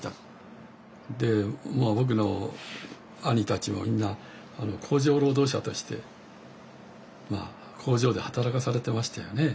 で僕の兄たちもみんな工場労働者として工場で働かされてましたよね。